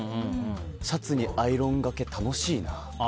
シャツにアイロンがけ、楽しいな。